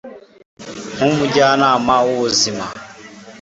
nku mujyanama wu buzima